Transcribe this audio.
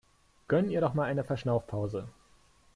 Gönn ihr doch mal eine Verschnaufpause!